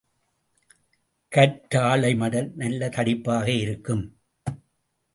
கற்றாழைமடல் நல்ல தடிப்பாக இருக்கும்.